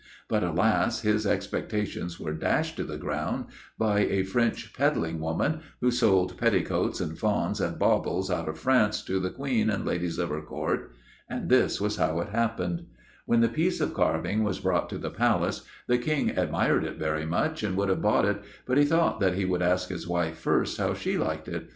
But, alas! his expectations were dashed to the ground by a French 'peddling woman,' who sold 'petticoats and fauns and baubles out of France' to the Queen and the ladies of her Court. And this was how it happened. When the piece of carving was brought to the Palace, the King admired it very much, and would have bought it, but he thought that he would ask his wife first how she liked it.